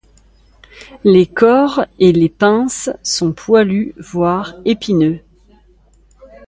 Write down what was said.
Les corps et les pinces sont poilus voire épineux.